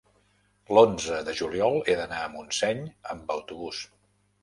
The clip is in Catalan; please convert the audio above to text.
l'onze de juliol he d'anar a Montseny amb autobús.